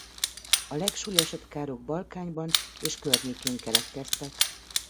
A legsúlyosabb károk Balkányban és környékén keletkeztek.